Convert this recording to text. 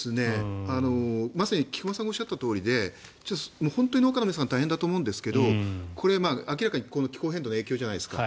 まさに菊間さんがおっしゃったとおりで本当に農家の皆さん大変だと思うんですがこれ、明らかに気候変動の影響じゃないですか。